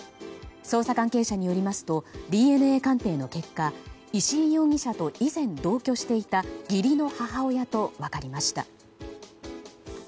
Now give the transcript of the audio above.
捜査関係者によりますとＤＮＡ鑑定の結果石井容疑者と以前、同居していた義理の母親と分かりました。